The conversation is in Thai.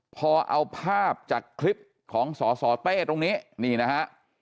พอเอาภาพจากคลิปของสสเต้ตรงนี้นี่นะฮะ